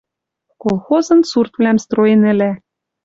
Колхозын суртвлӓм строен ӹлӓ.